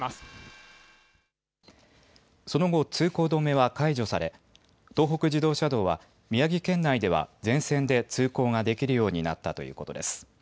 その後、通行止めは解除され、東北自動車道は、宮城県内では全線で通行ができるようになったということです。